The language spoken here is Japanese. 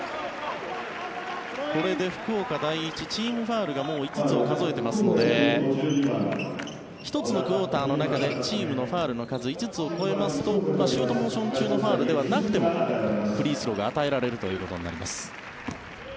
これで福岡第一チームファウルがもう５つを数えていますので１つのクオーターの中でチームのファウルの数が５つを超えますとシュートモーション中のファウルじゃなくてもフリースローが与えられるということになります。